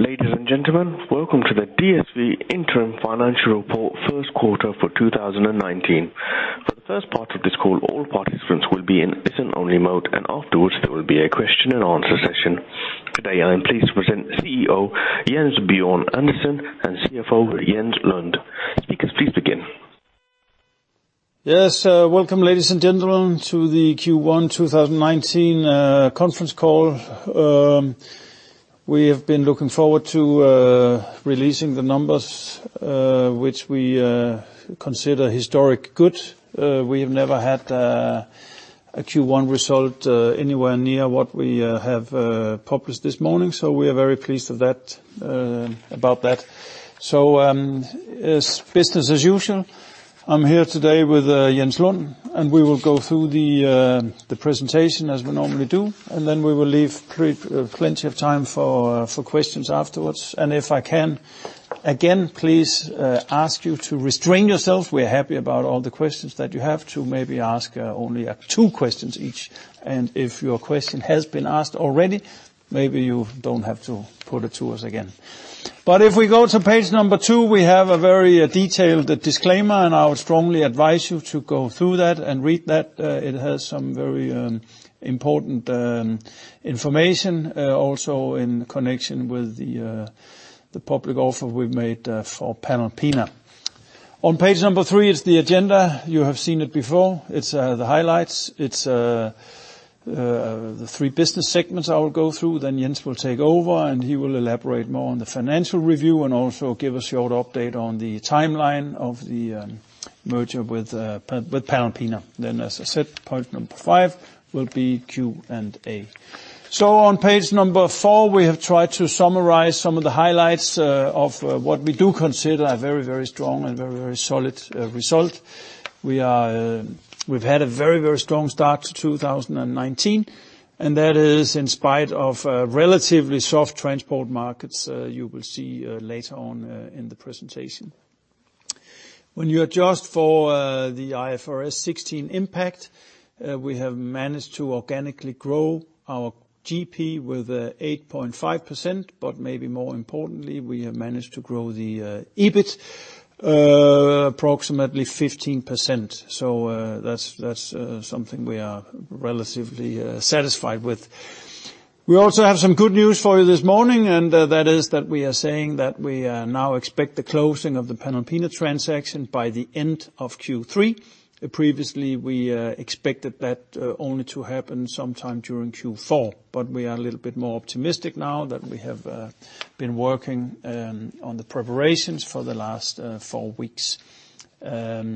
Ladies and gentlemen, welcome to the DSV Interim Financial Report first quarter for 2019. For the first part of this call, all participants will be in listen-only mode, afterwards there will be a Q&A session. Today, I am pleased to present CEO, Jens Bjørn Andersen, and CFO, Jens Lund. Speakers, please begin. Yes. Welcome, ladies and gentlemen, to the Q1 2019 conference call. We have been looking forward to releasing the numbers, which we consider historic good. We have never had a Q1 result anywhere near what we have published this morning, we are very pleased about that. Business as usual. I am here today with Jens Lund, we will go through the presentation as we normally do, then we will leave plenty of time for questions afterwards. If I can, again, please ask you to restrain yourselves. We are happy about all the questions that you have to maybe ask only two questions each. If your question has been asked already, maybe you don't have to put it to us again. If we go to page number two, we have a very detailed disclaimer, I would strongly advise you to go through that and read that. It has some very important information, also in connection with the public offer we've made for Panalpina. On page number three is the agenda. You have seen it before. It's the highlights. It's the three business segments I will go through, Jens will take over, he will elaborate more on the financial review and also give a short update on the timeline of the merger with Panalpina. As I said, point number five will be Q&A. On page number four, we have tried to summarize some of the highlights of what we do consider a very strong and very solid result. We've had a very strong start to 2019, that is in spite of relatively soft transport markets you will see later on in the presentation. When you adjust for the IFRS 16 impact, we have managed to organically grow our GP with 8.5%, maybe more importantly, we have managed to grow the EBIT approximately 15%. That's something we are relatively satisfied with. We also have some good news for you this morning, that is that we are saying that we now expect the closing of the Panalpina transaction by the end of Q3. Previously, we expected that only to happen sometime during Q4, we are a little bit more optimistic now that we have been working on the preparations for the last four weeks. It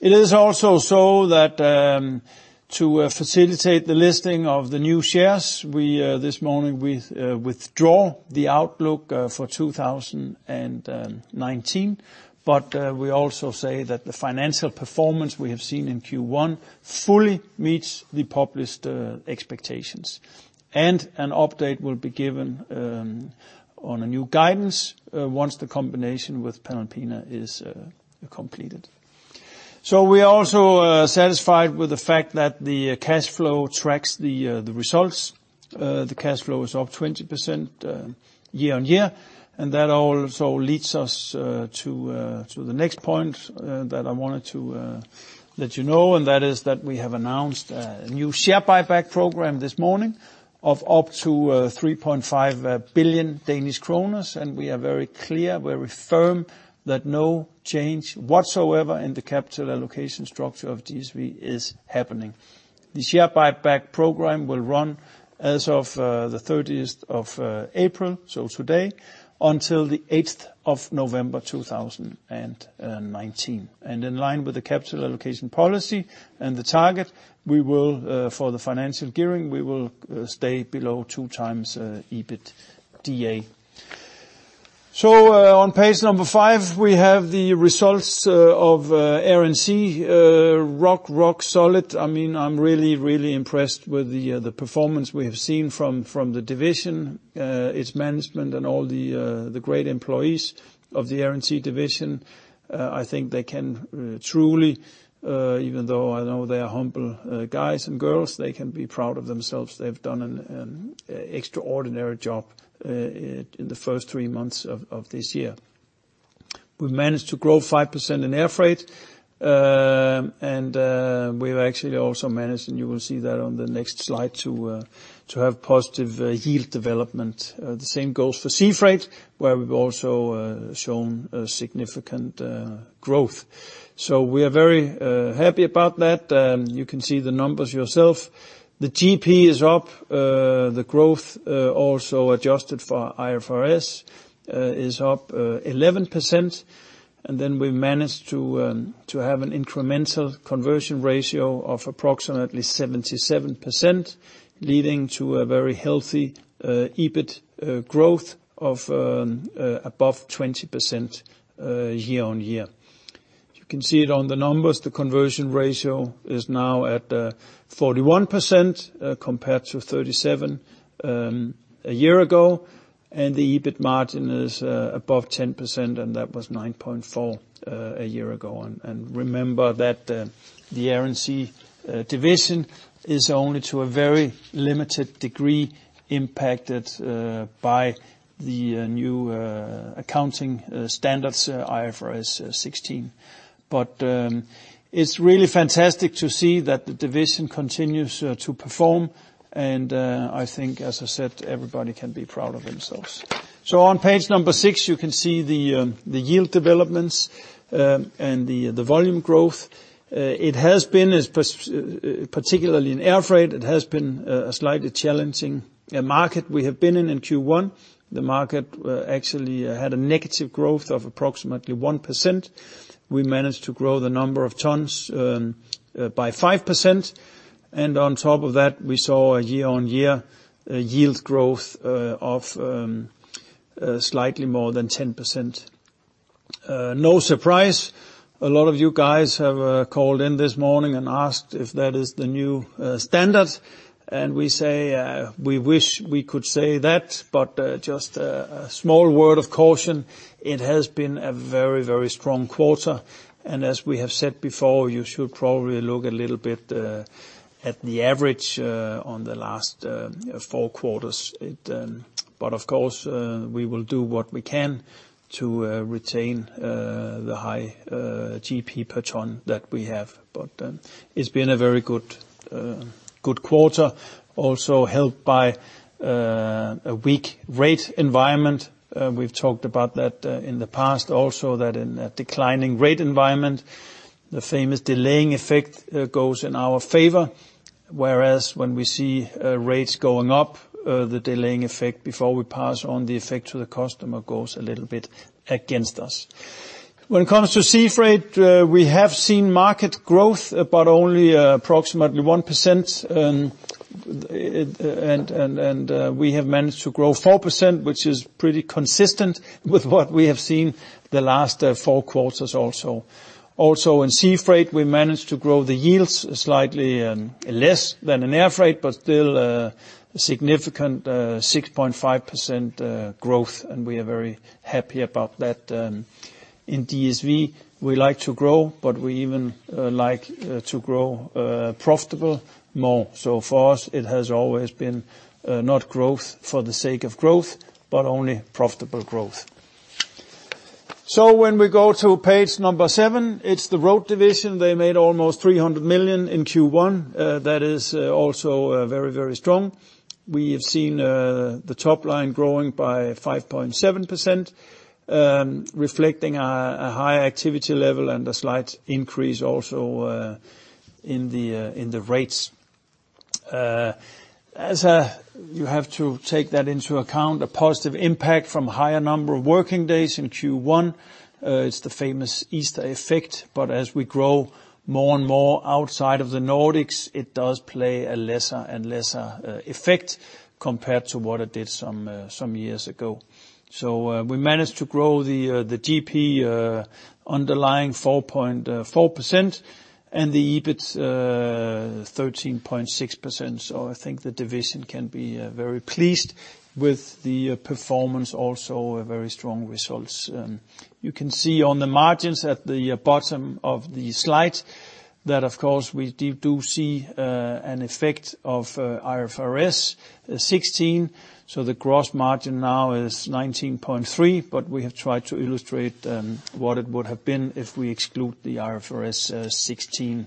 is also so that to facilitate the listing of the new shares, we, this morning, withdraw the outlook for 2019, but we also say that the financial performance we have seen in Q1 fully meets the published expectations. An update will be given on a new guidance once the combination with Panalpina is completed. We are also satisfied with the fact that the cash flow tracks the results. The cash flow is up 20% year-over-year. That also leads us to the next point that I wanted to let you know, and that is that we have announced a new share buyback program this morning of up to 3.5 billion Danish kroner, and we are very clear, very firm that no change whatsoever in the capital allocation structure of DSV is happening. The share buyback program will run as of the 30th of April, today, until the 8th of November 2019. In line with the capital allocation policy and the target, for the financial gearing, we will stay below two times EBITDA. On page number five, we have the results of Air & Sea. Rock solid. I'm really impressed with the performance we have seen from the division, its management, and all the great employees of the Air & Sea division. I think they can truly, even though I know they are humble guys and girls, they can be proud of themselves. They've done an extraordinary job in the first three months of this year. We've managed to grow 5% in air freight, and we've actually also managed, and you will see that on the next slide, to have positive yield development. The same goes for sea freight, where we've also shown significant growth. We are very happy about that. You can see the numbers yourself. The GP is up. The growth, also adjusted for IFRS, is up 11%. Then we managed to have an incremental conversion ratio of approximately 77%, leading to a very healthy EBIT growth of above 20% year-over-year. You can see it on the numbers. The conversion ratio is now at 41% compared to 37% a year ago, and the EBIT margin is above 10%, and that was 9.4% a year ago. And remember that the Air & Sea division is only to a very limited degree impacted by the new accounting standards, IFRS 16. It's really fantastic to see that the division continues to perform and I think, as I said, everybody can be proud of themselves. On page number six, you can see the yield developments and the volume growth. Particularly in air freight, it has been a slightly challenging market we have been in in Q1. The market actually had a negative growth of approximately 1%. We managed to grow the number of tons by 5% and on top of that, we saw a year-over-year yield growth of slightly more than 10%. No surprise, a lot of you guys have called in this morning and asked if that is the new standard. We say, we wish we could say that, but just a small word of caution. It has been a very, very strong quarter, and as we have said before, you should probably look a little bit at the average on the last four quarters. Of course, we will do what we can to retain the high GP per ton that we have. It's been a very good quarter, also helped by a weak rate environment. We've talked about that in the past also that in a declining rate environment, the famous delaying effect goes in our favor. Whereas when we see rates going up, the delaying effect before we pass on the effect to the customer goes a little bit against us. When it comes to sea freight, we have seen market growth, but only approximately 1%. We have managed to grow 4%, which is pretty consistent with what we have seen the last four quarters also. Also in sea freight, we managed to grow the yields slightly less than in air freight, but still a significant 6.5% growth, and we are very happy about that. In DSV, we like to grow, but we even like to grow profitable more. For us, it has always been not growth for the sake of growth, but only profitable growth. When we go to page number seven, it's the Road division. They made almost 300 million in Q1. That is also very, very strong. We have seen the top line growing by 5.7%, reflecting a high activity level and a slight increase also in the rates. You have to take that into account, a positive impact from higher number of working days in Q1. It's the famous Easter effect, but as we grow more and more outside of the Nordics, it does play a lesser and lesser effect compared to what it did some years ago. We managed to grow the GP underlying 4.4% and the EBIT 13.6%. I think the division can be very pleased with the performance, also very strong results. You can see on the margins at the bottom of the slide that, of course, we do see an effect of IFRS 16. The gross margin now is 19.3%, but we have tried to illustrate what it would have been if we exclude the IFRS 16.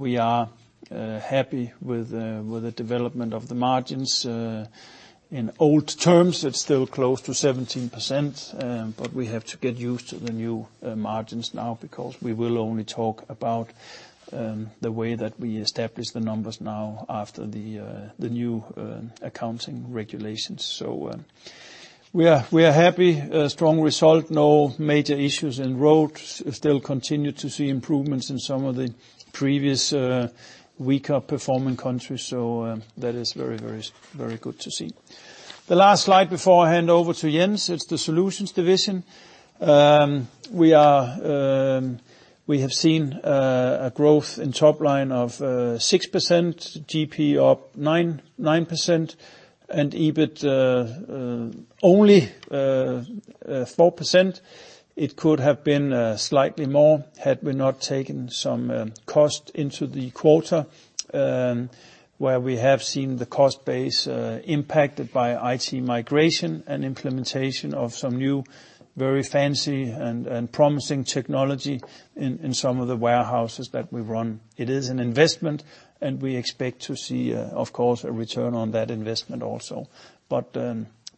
We are happy with the development of the margins. In old terms, it's still close to 17%, but we have to get used to the new margins now because we will only talk about the way that we establish the numbers now after the new accounting regulations. We are happy. A strong result, no major issues in Road. Still continue to see improvements in some of the previous weaker performing countries. That is very good to see. The last slide before I hand over to Jens, it's the Solutions division. We have seen a growth in top line of 6%, GP up 9%, and EBIT only 4%. It could have been slightly more had we not taken some cost into the quarter, where we have seen the cost base impacted by IT migration and implementation of some new, very fancy and promising technology in some of the warehouses that we run. It is an investment, and we expect to see, of course, a return on that investment also.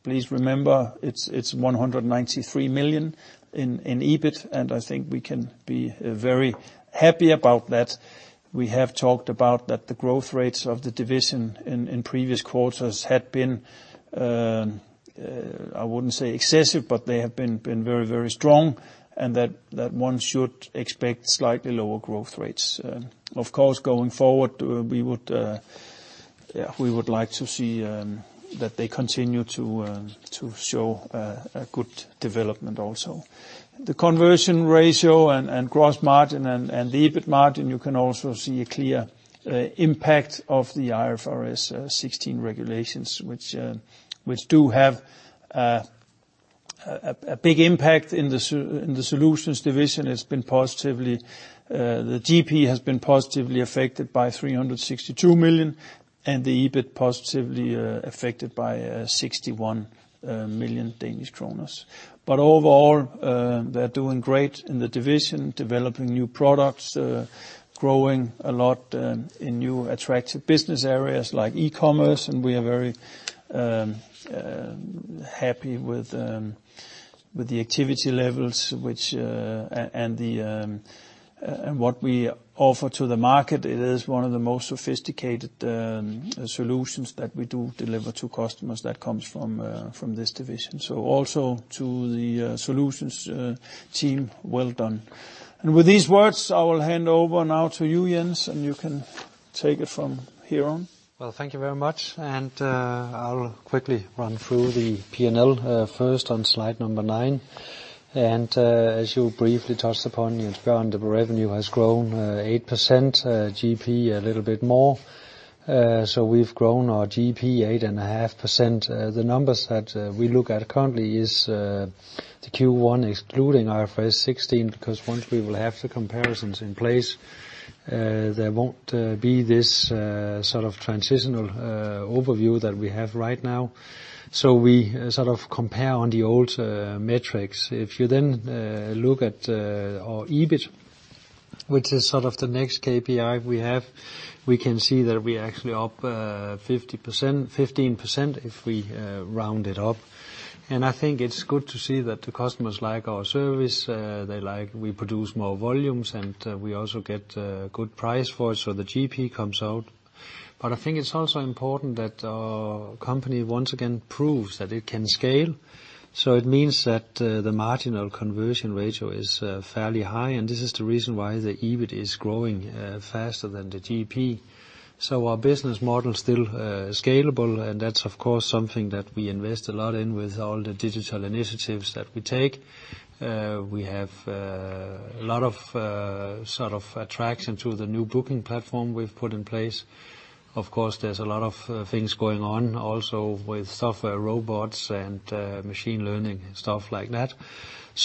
Please remember, it's 193 million in EBIT, and I think we can be very happy about that. We have talked about that the growth rates of the division in previous quarters had been, I wouldn't say excessive, but they have been very strong and that one should expect slightly lower growth rates. We would like to see that they continue to show a good development also. The conversion ratio and gross margin and the EBIT margin, you can also see a clear impact of the IFRS 16 regulations, which do have a big impact in the Solutions division. The GP has been positively affected by 362 million, and the EBIT positively affected by 61 million Danish kroner. Overall, they're doing great in the division, developing new products, growing a lot in new attractive business areas like e-commerce, and we are very happy with the activity levels and what we offer to the market. It is one of the most sophisticated solutions that we do deliver to customers that comes from this division. So also to the Solutions team, well done. With these words, I will hand over now to you, Jens, and you can take it from here on. Well, thank you very much. I'll quickly run through the P&L first on slide number nine. As you briefly touched upon, Jens Bjørn, the revenue has grown 8%, GP a little bit more. We've grown our GP 8.5%. The numbers that we look at currently is the Q1 excluding IFRS 16, because once we will have the comparisons in place, there won't be this transitional overview that we have right now. We sort of compare on the old metrics. If you then look at our EBIT, which is the next KPI we have, we can see that we're actually up 15% if we round it up. I think it's good to see that the customers like our service. We produce more volumes, and we also get good price for it, so the GP comes out. I think it's also important that our company once again proves that it can scale. It means that the marginal conversion ratio is fairly high, and this is the reason why the EBIT is growing faster than the GP. Our business model's still scalable, and that's, of course, something that we invest a lot in with all the digital initiatives that we take. We have a lot of attraction to the new booking platform we've put in place. Of course, there's a lot of things going on also with software robots and machine learning, stuff like that.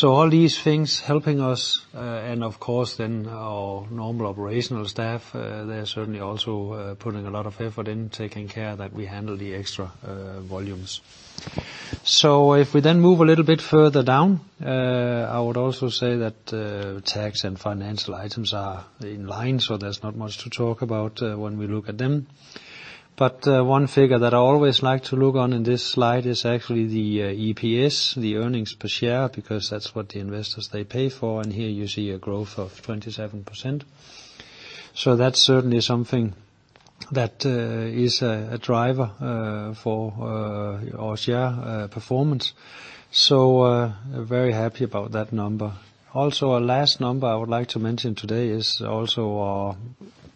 All these things helping us, and of course, then our normal operational staff, they're certainly also putting a lot of effort in taking care that we handle the extra volumes. If we then move a little bit further down, I would also say that tax and financial items are in line, there's not much to talk about when we look at them. One figure that I always like to look on in this slide is actually the EPS, the earnings per share, because that's what the investors, they pay for, and here you see a growth of 27%. That's certainly something that is a driver for our share performance. Very happy about that number. Also, a last number I would like to mention today is also our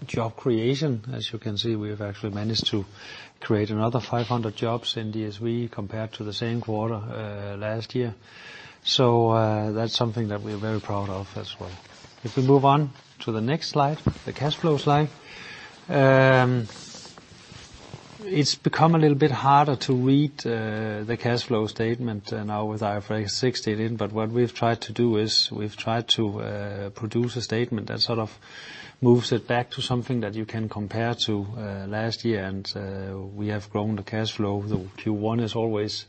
job creation. As you can see, we've actually managed to create another 500 jobs in DSV compared to the same quarter last year. That's something that we're very proud of as well. If we move on to the next slide, the cash flow slide. It's become a little bit harder to read the cash flow statement now with IFRS 16 in. What we've tried to do is we've tried to produce a statement that sort of moves it back to something that you can compare to last year. We have grown the cash flow. The Q1 is always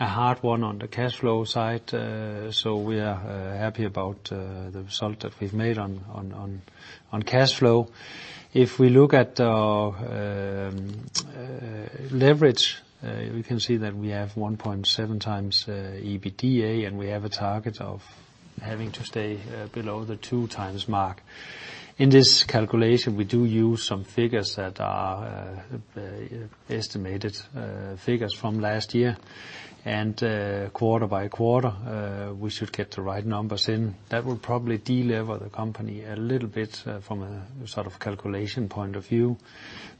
a hard one on the cash flow side. We are happy about the result that we've made on cash flow. If we look at our leverage, we can see that we have 1.7 times EBITDA, and we have a target of having to stay below the two times mark. In this calculation, we do use some figures that are estimated figures from last year. Quarter by quarter, we should get the right numbers in. That will probably de-lever the company a little bit from a calculation point of view.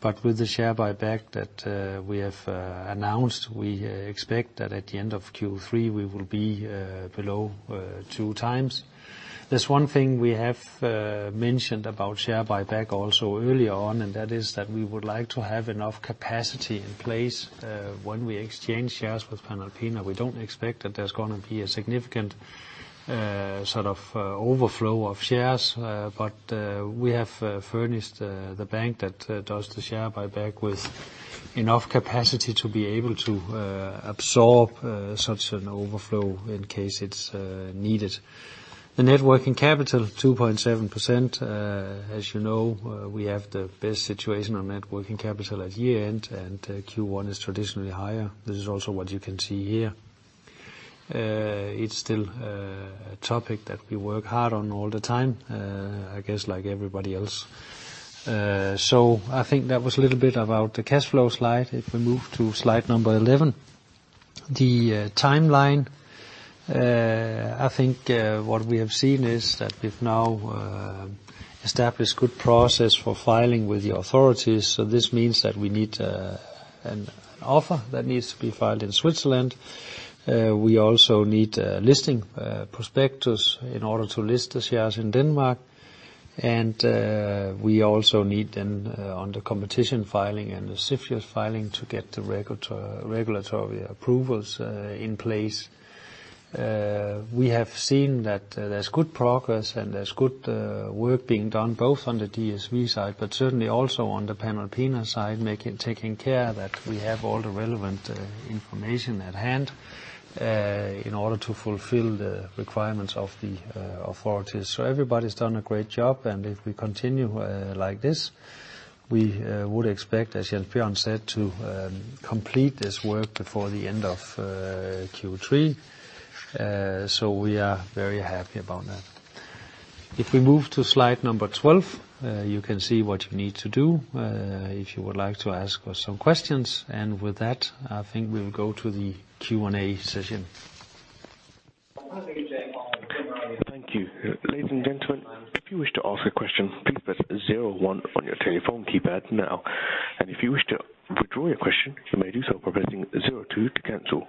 With the share buyback that we have announced, we expect that at the end of Q3, we will be below two times. There's one thing we have mentioned about share buyback also early on. That is that we would like to have enough capacity in place when we exchange shares with Panalpina. We don't expect that there's going to be a significant overflow of shares. We have furnished the bank that does the share buyback with enough capacity to be able to absorb such an overflow in case it's needed. The net working capital, 2.7%. As you know, we have the best situation on net working capital at year-end. Q1 is traditionally higher. This is also what you can see here. It's still a topic that we work hard on all the time, I guess like everybody else. I think that was a little bit about the cash flow slide. If we move to slide number 11. The timeline. I think what we have seen is that we've now established good process for filing with the authorities. This means that we need an offer that needs to be filed in Switzerland. We also need listing prospectus in order to list the shares in Denmark. We also need then on the competition filing and the CFIUS filing to get the regulatory approvals in place. We have seen that there's good progress and there's good work being done both on the DSV side, but certainly also on the Panalpina side, taking care that we have all the relevant information at hand in order to fulfill the requirements of the authorities. Everybody's done a great job. If we continue like this, we would expect, as Jens Bjørn said, to complete this work before the end of Q3. We are very happy about that. If we move to slide number 12, you can see what you need to do if you would like to ask us some questions. With that, I think we'll go to the Q&A session. Thank you. Ladies and gentlemen, if you wish to ask a question, please press zero one on your telephone keypad now. If you wish to withdraw your question, you may do so by pressing zero two to cancel.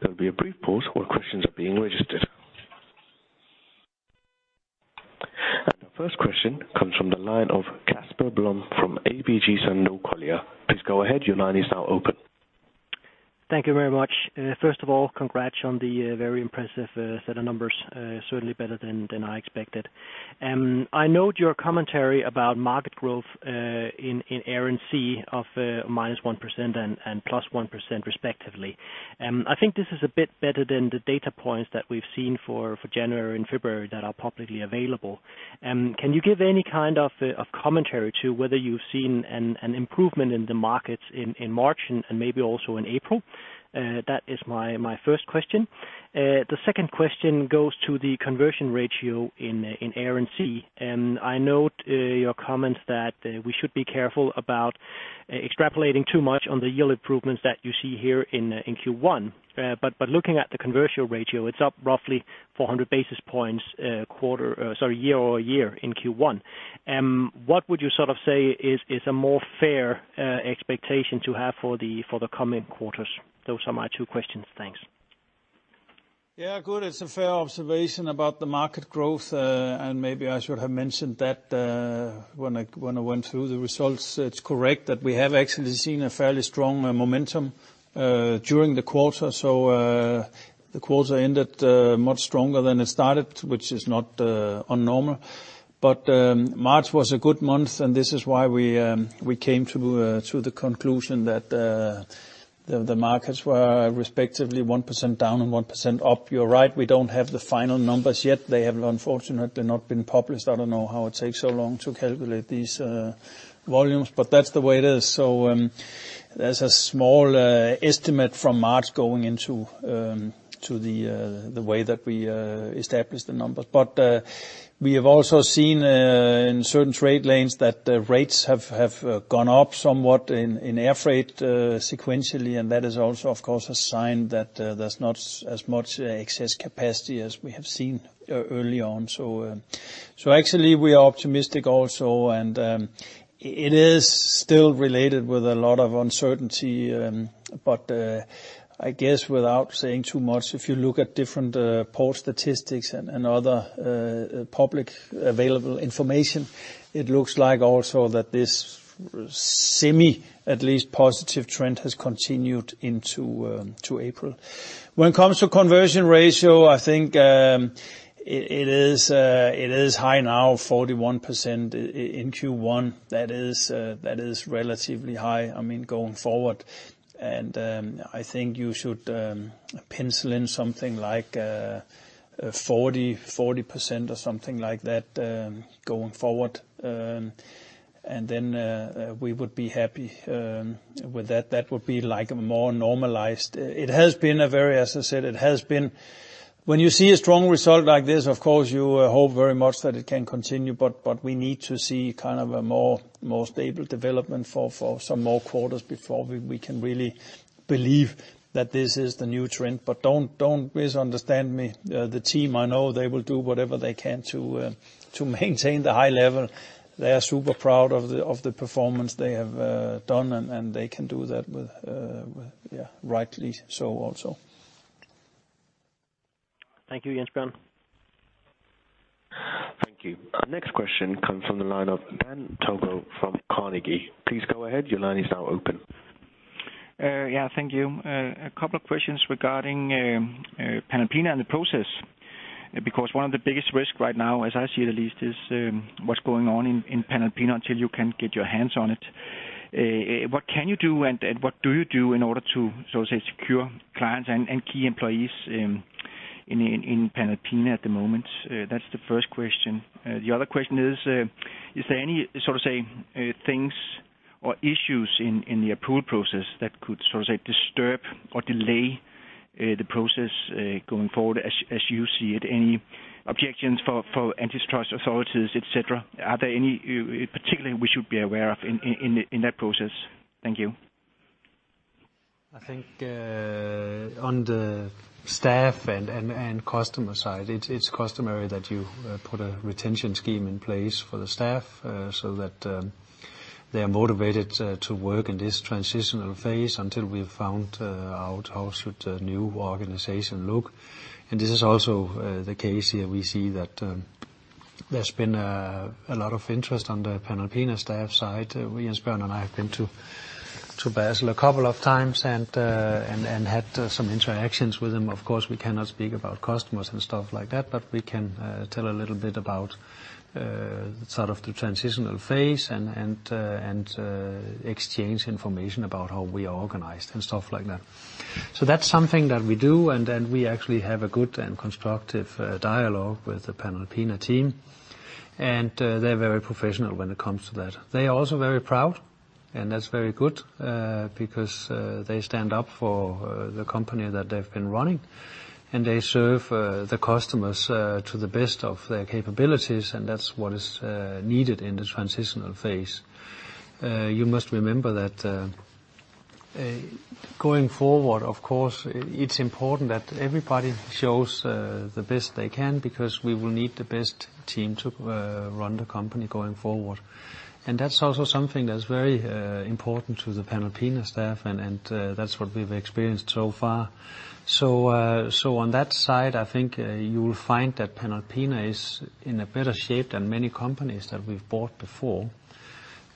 There will be a brief pause while questions are being registered. The first question comes from the line of Casper Blom from ABG Sundal Collier. Please go ahead. Your line is now open. Thank you very much. First of all, congrats on the very impressive set of numbers. Certainly better than I expected. I note your commentary about market growth in Air & Sea of -1% and +1% respectively. I think this is a bit better than the data points that we've seen for January and February that are publicly available. Can you give any kind of commentary to whether you've seen an improvement in the markets in March and maybe also in April? That is my first question. The second question goes to the conversion ratio in Air & Sea. I note your comments that we should be careful about extrapolating too much on the yield improvements that you see here in Q1. Looking at the conversion ratio, it's up roughly 400 basis points year-over-year in Q1. What would you sort of say is a more fair expectation to have for the coming quarters? Those are my two questions. Thanks. Good. It's a fair observation about the market growth. Maybe I should have mentioned that when I went through the results. It's correct that we have actually seen a fairly strong momentum during the quarter. The quarter ended much stronger than it started, which is not un-normal. March was a good month, and this is why we came to the conclusion that the markets were respectively -1% down and +1% up. You're right, we don't have the final numbers yet. They have unfortunately not been published. I don't know how it takes so long to calculate these volumes, but that's the way it is. There's a small estimate from March going into the way that we establish the numbers. We have also seen in certain trade lanes that the rates have gone up somewhat in air freight sequentially. That is also, of course, a sign that there's not as much excess capacity as we have seen early on. Actually, we are optimistic also, and it is still related with a lot of uncertainty. I guess without saying too much, if you look at different port statistics and other public available information, it looks like also that this semi, at least, positive trend has continued into April. When it comes to conversion ratio, I think it is high now 41% in Q1. That is relatively high going forward. I think you should pencil in something like 40% or something like that going forward. Then we would be happy with that. That would be like a more normalized. As I said, when you see a strong result like this, of course, you hope very much that it can continue. We need to see kind of a more stable development for some more quarters before we can really believe that this is the new trend. Don't misunderstand me. The team, I know they will do whatever they can to maintain the high level. They are super proud of the performance they have done, and they can do that with rightly so also. Thank you, Jens Bjørn. Thank you. Our next question comes from the line of Dan Togo from Carnegie. Please go ahead. Your line is now open. Thank you. A couple of questions regarding Panalpina and the process, because one of the biggest risks right now, as I see it at least, is what's going on in Panalpina until you can get your hands on it. What can you do and what do you do in order to, so to say, secure clients and key employees in Panalpina at the moment? That's the first question. The other question is: Is there any sort of, say, things or issues in the approval process that could, so to say, disturb or delay the process going forward as you see it? Any objections for antitrust authorities, et cetera? Are there any particularly we should be aware of in that process? Thank you. I think on the staff and customer side, it's customary that you put a retention scheme in place for the staff so that they're motivated to work in this transitional phase until we've found out how should the new organization look. This is also the case here. We see that there's been a lot of interest on the Panalpina staff side. Jens Bjørn and I have been to Basel a couple of times and had some interactions with them. Of course, we cannot speak about customers and stuff like that, but we can tell a little bit about the transitional phase and exchange information about how we are organized and stuff like that. That's something that we do, and then we actually have a good and constructive dialogue with the Panalpina team, and they're very professional when it comes to that. They are also very proud, and that's very good because they stand up for the company that they've been running, and they serve the customers to the best of their capabilities, and that's what is needed in this transitional phase. You must remember that going forward, of course, it's important that everybody shows the best they can because we will need the best team to run the company going forward. That's also something that's very important to the Panalpina staff, and that's what we've experienced so far. On that side, I think you will find that Panalpina is in a better shape than many companies that we've bought before.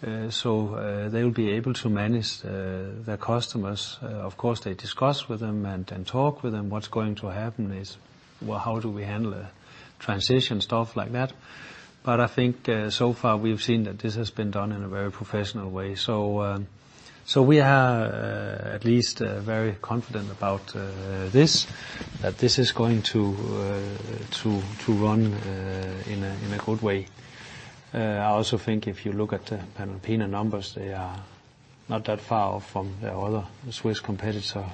They'll be able to manage their customers. Of course, they discuss with them and talk with them. What's going to happen is, well, how do we handle a transition, stuff like that. I think so far we've seen that this has been done in a very professional way. We are at least very confident about this, that this is going to run in a good way. I also think if you look at the Panalpina numbers, they are not that far off from their other Swiss competitor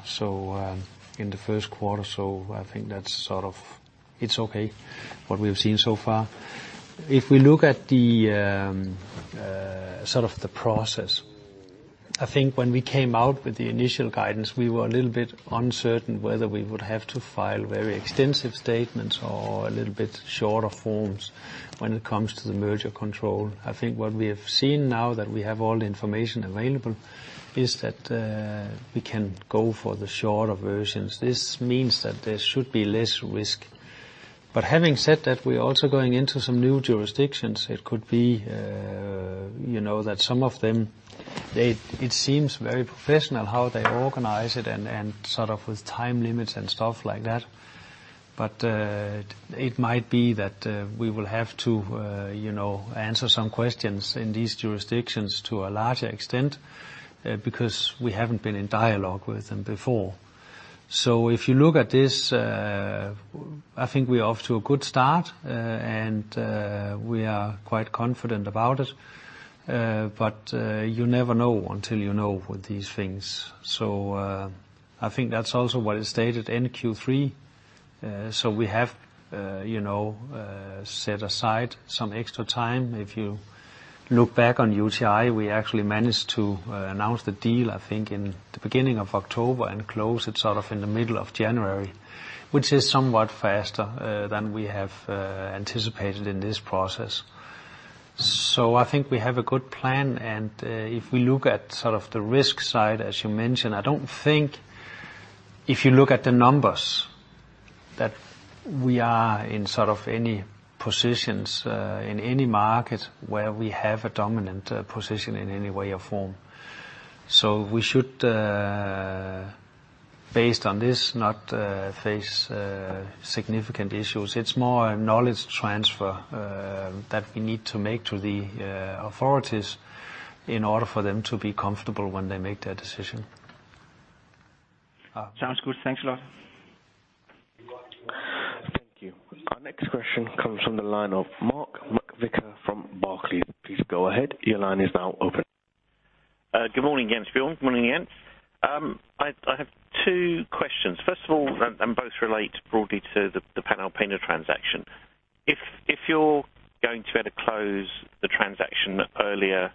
in the first quarter, so I think that it's okay what we've seen so far. If we look at the process, I think when we came out with the initial guidance, we were a little bit uncertain whether we would have to file very extensive statements or a little bit shorter forms when it comes to the merger control. I think what we have seen now that we have all the information available is that we can go for the shorter versions. This means that there should be less risk. Having said that, we're also going into some new jurisdictions. It could be that some of them, it seems very professional how they organize it and with time limits and stuff like that. It might be that we will have to answer some questions in these jurisdictions to a larger extent because we haven't been in dialogue with them before. If you look at this, I think we are off to a good start, and we are quite confident about it. You never know until you know with these things. I think that's also what is stated in Q3. We have set aside some extra time. If you look back on UTi, we actually managed to announce the deal, I think in the beginning of October and close it in the middle of January, which is somewhat faster than we have anticipated in this process. I think we have a good plan, and if we look at the risk side, as you mentioned, I don't think if you look at the numbers, that we are in any positions in any market where we have a dominant position in any way or form. We should, based on this, not face significant issues. It's more a knowledge transfer that we need to make to the authorities in order for them to be comfortable when they make their decision. Sounds good. Thanks a lot. Thank you. Our next question comes from the line of Mark McVicar from Barclays. Please go ahead. Your line is now open. Good morning, Jens Bjørn. Good morning, Jens. I have two questions. Both relate broadly to the Panalpina transaction. If you're going to either close the transaction earlier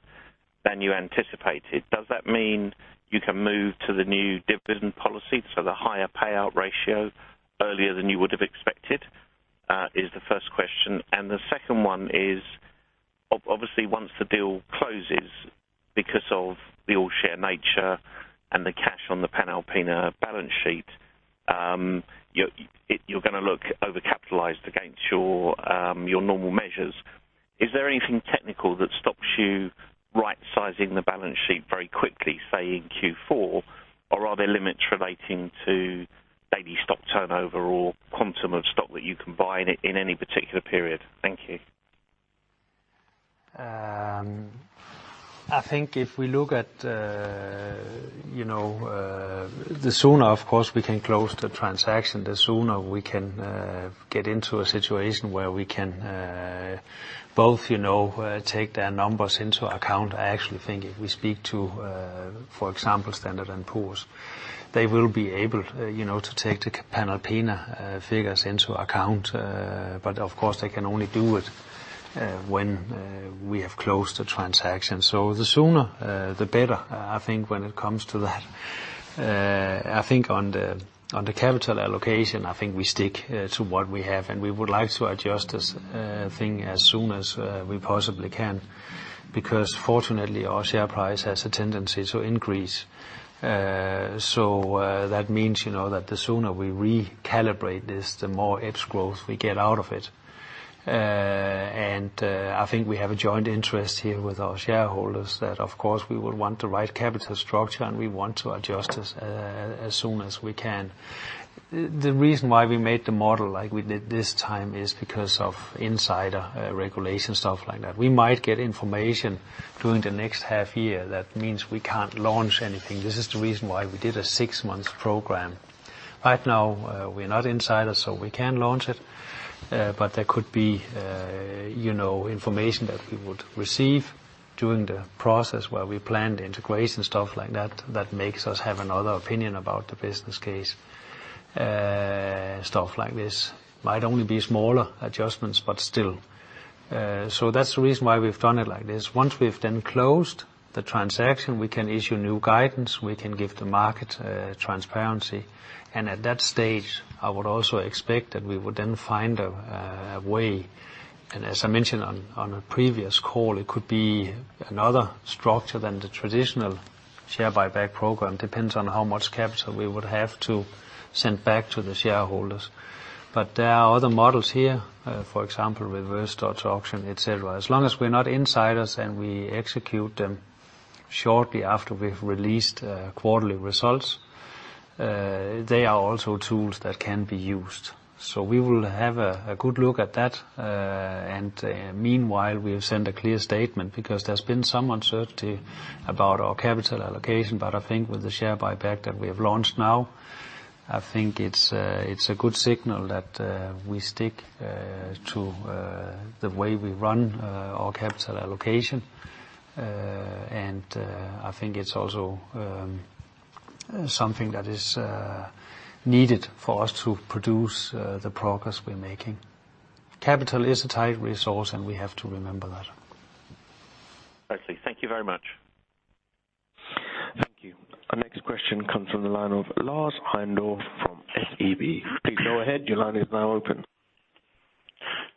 than you anticipated, does that mean you can move to the new dividend policy, so the higher payout ratio earlier than you would have expected? Is the first question. The second one is, obviously once the deal closes because of the all-share nature and the cash on the Panalpina balance sheet, you're going to look overcapitalized against your normal measures. Is there anything technical that stops you right-sizing the balance sheet very quickly, say in Q4? Or are there limits relating to daily stock turnover or quantum of stock that you can buy in any particular period? Thank you. I think if we look at the sooner, of course, we can close the transaction, the sooner we can get into a situation where we can both take their numbers into account. I actually think if we speak to for example, Standard & Poor's, they will be able to take the Panalpina figures into account. Of course, they can only do it when we have closed the transaction. The sooner the better, I think when it comes to that. I think on the capital allocation, I think we stick to what we have, and we would like to adjust this thing as soon as we possibly can, because fortunately our share price has a tendency to increase. That means that the sooner we recalibrate this, the more edge growth we get out of it. I think we have a joint interest here with our shareholders that, of course, we would want the right capital structure, and we want to adjust this as soon as we can. The reason why we made the model like we did this time is because of insider regulation, stuff like that. We might get information during the next half year that means we can't launch anything. This is the reason why we did a six-month program. Right now, we're not insiders, we can launch it. There could be information that we would receive during the process where we plan the integration, stuff like that makes us have another opinion about the business case, stuff like this. Might only be smaller adjustments, but still. That's the reason why we've done it like this. Once we've then closed the transaction, we can issue new guidance. We can give the market transparency. At that stage, I would also expect that we would then find a way, and as I mentioned on a previous call, it could be another structure than the traditional share buyback program. Depends on how much capital we would have to send back to the shareholders. There are other models here, for example, reverse Dutch auction, et cetera. As long as we're not insiders and we execute them shortly after we've released quarterly results, they are also tools that can be used. We will have a good look at that. Meanwhile, we have sent a clear statement because there's been some uncertainty about our capital allocation, but I think with the share buyback that we have launched now, I think it's a good signal that we stick to the way we run our capital allocation. I think it's also something that is needed for us to produce the progress we're making. Capital is a tight resource, we have to remember that. Excellent. Thank you very much. Thank you. Our next question comes from the line of Lars Heindorff from SEB. Please go ahead. Your line is now open.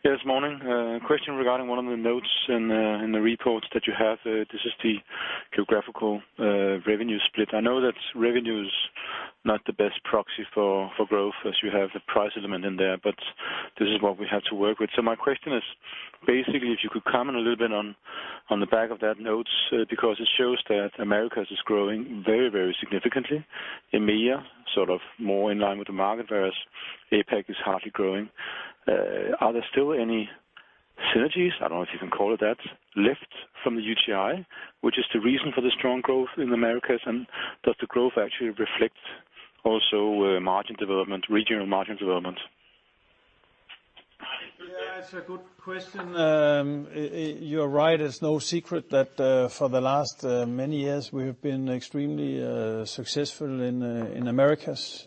Yes, morning. Question regarding one of the notes in the reports that you have. This is the geographical revenue split. I know that revenue is not the best proxy for growth as you have the price element in there, but this is what we have to work with. My question is, basically, if you could comment a little bit on the back of that note, because it shows that Americas is growing very, very significantly. EMEA, sort of more in line with the market, whereas APAC is hardly growing. Are there still any synergies, I don't know if you can call it that, left from the UTi, which is the reason for the strong growth in Americas, and does the growth actually reflect also margin development, regional margin development? Yeah, it's a good question. You're right. It's no secret that for the last many years, we have been extremely successful in Americas.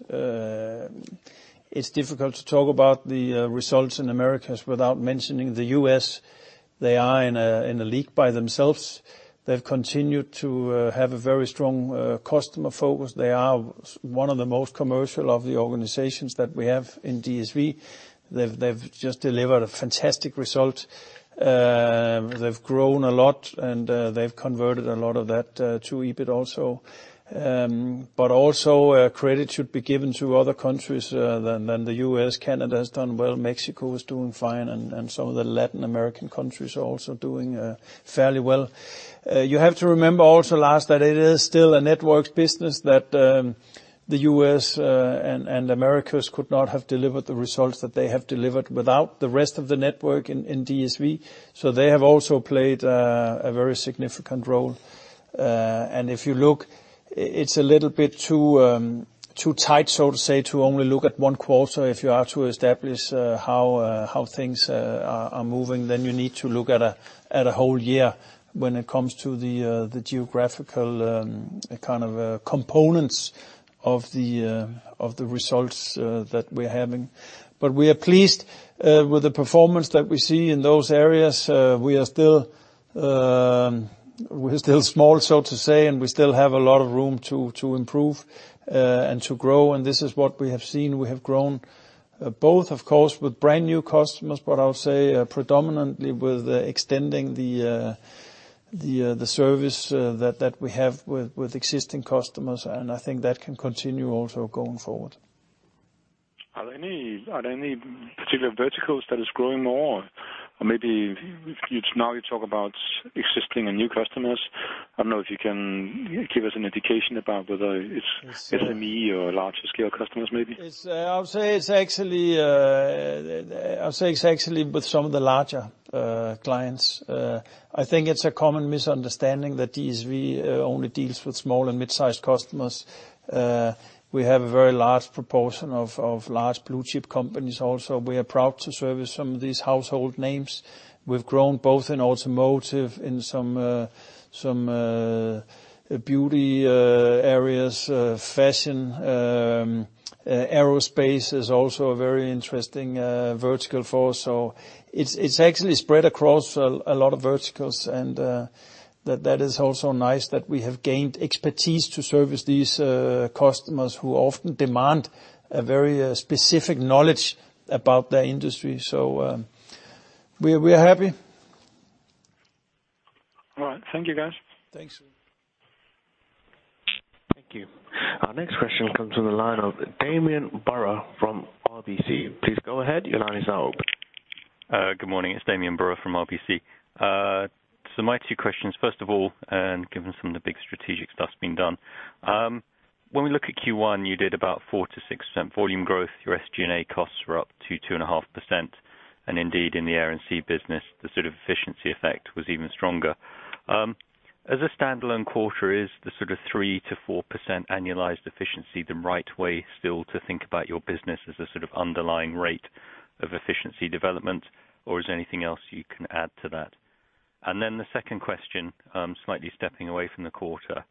It's difficult to talk about the results in Americas without mentioning the U.S. They are in a league by themselves. They've continued to have a very strong customer focus. They are one of the most commercial of the organizations that we have in DSV. They've just delivered a fantastic result. They've grown a lot, and they've converted a lot of that to EBIT also. Also, credit should be given to other countries than the U.S. Canada has done well. Mexico is doing fine, and some of the Latin American countries are also doing fairly well. You have to remember also, Lars, that it is still a networks business that the U.S. and Americas could not have delivered the results that they have delivered without the rest of the network in DSV. They have also played a very significant role. If you look, it's a little bit too tight, so to say, to only look at one quarter. If you are to establish how things are moving, you need to look at a whole year when it comes to the geographical kind of components of the results that we're having. We are pleased with the performance that we see in those areas. We're still small, so to say, and we still have a lot of room to improve and to grow. This is what we have seen. We have grown both, of course, with brand-new customers, but I would say predominantly with extending the service that we have with existing customers, and I think that can continue also going forward. Are there any particular verticals that is growing more? Maybe now you talk about existing and new customers. I don't know if you can give us an indication about whether it's SME or larger scale customers, maybe. I'll say it's actually with some of the larger clients. I think it's a common misunderstanding that DSV only deals with small and mid-sized customers. We have a very large proportion of large blue-chip companies also. We are proud to service some of these household names. We've grown both in automotive, in some beauty areas, fashion. Aerospace is also a very interesting vertical for us. It's actually spread across a lot of verticals, and that is also nice that we have gained expertise to service these customers who often demand a very specific knowledge about their industry. We're happy. All right. Thank you, guys. Thanks. Thank you. Our next question comes from the line of Damian Brewer from RBC. Please go ahead. Your line is now open. Good morning, it's Damian Brewer from RBC. My two questions, first of all, given some of the big strategic stuff being done. When we look at Q1, you did about 4%-6% volume growth. Your SG&A costs were up to 2.5%. Indeed, in the Air & Sea business, the efficiency effect was even stronger. As a standalone quarter, is the 3%-4% annualized efficiency the right way still to think about your business as a sort of underlying rate of efficiency development? Is there anything else you can add to that? The second question, slightly stepping away from the quarter.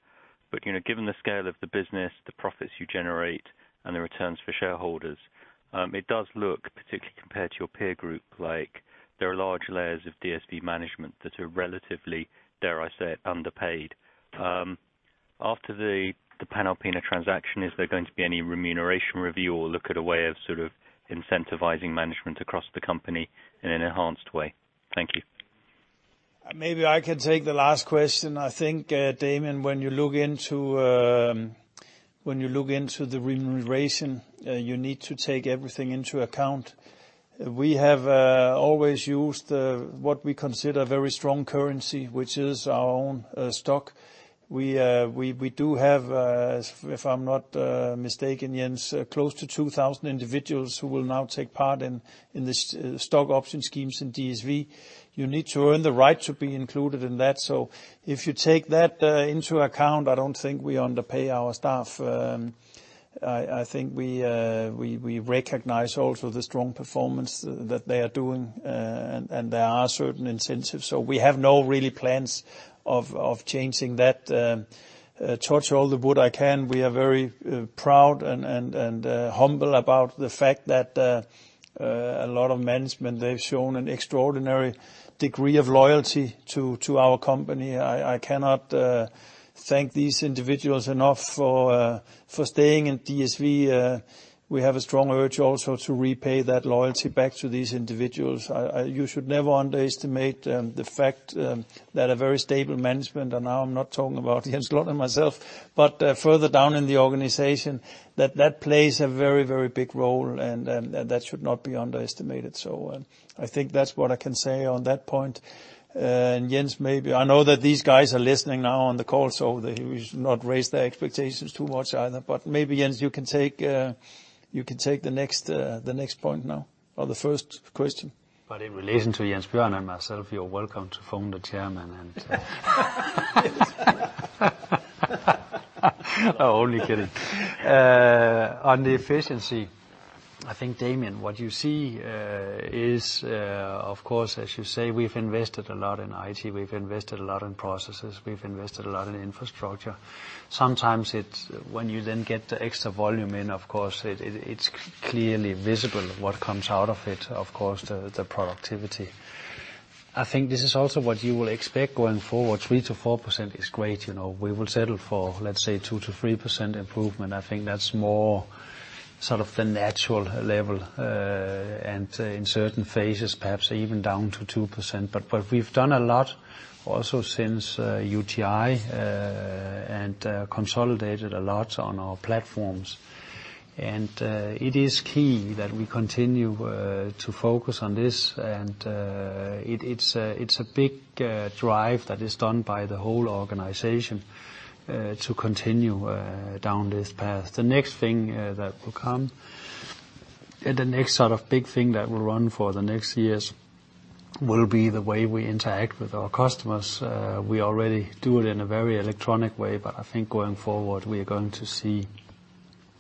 Given the scale of the business, the profits you generate, and the returns for shareholders, it does look particularly compared to your peer group, like there are large layers of DSV management that are relatively, dare I say, underpaid. After the Panalpina transaction, is there going to be any remuneration review or look at a way of incentivizing management across the company in an enhanced way? Thank you. Maybe I can take the last question. I think, Damian, when you look into the remuneration, you need to take everything into account. We have always used what we consider very strong currency, which is our own stock. We do have, if I'm not mistaken, Jens, close to 2,000 individuals who will now take part in the stock option schemes in DSV. You need to earn the right to be included in that. If you take that into account, I don't think we underpay our staff. I think we recognize also the strong performance that they are doing. There are certain incentives. We have no really plans of changing that. Touch all the wood I can, we are very proud and humble about the fact that a lot of management, they've shown an extraordinary degree of loyalty to our company. I cannot thank these individuals enough for staying in DSV. We have a strong urge also to repay that loyalty back to these individuals. You should never underestimate the fact that a very stable management, and now I'm not talking about Jens Lund and myself, but further down in the organization, that that plays a very, very big role and that should not be underestimated. I think that's what I can say on that point. Jens, maybe, I know that these guys are listening now on the call, we should not raise their expectations too much either. Maybe, Jens, you can take the next point now or the first question. In relation to Jens Bjørn and myself, you are welcome to phone the chairman. Only kidding. Damian, what you see is, of course, as you say, we have invested a lot in IT, we have invested a lot in processes, we have invested a lot in infrastructure. Sometimes when you get the extra volume in, of course, it is clearly visible what comes out of it, of course, the productivity. This is also what you will expect going forward. 3%-4% is great. We will settle for, let's say, 2%-3% improvement. That is more sort of the natural level, and in certain phases, perhaps even down to 2%. We have done a lot also since UTi, and consolidated a lot on our platforms. It is key that we continue to focus on this, and it is a big drive that is done by the whole organization to continue down this path. The next thing that will come, and the next big thing that will run for the next years will be the way we interact with our customers. We already do it in a very electronic way. Going forward, we are going to see